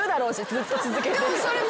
ずっと続けて。